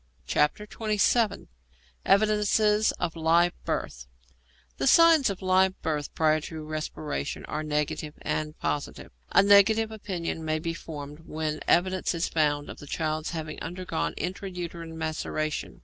XXVII. EVIDENCES OF LIVE BIRTH The signs of live birth prior to respiration are negative and positive. A negative opinion may be formed when evidence is found of the child having undergone intra uterine maceration.